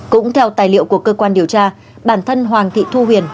cũng theo tài liệu của cơ quan điều tra bản thân hoàng thị thu huyền